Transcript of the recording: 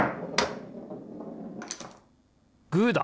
グーだ！